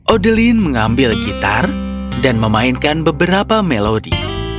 odelin mengambil gitar dan memainkan beberapa melodi